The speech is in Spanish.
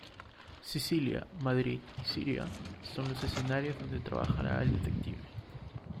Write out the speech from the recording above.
Sicilia, Madrid y Siria son los escenarios donde trabajará el detective.